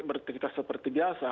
beraktifitas seperti biasa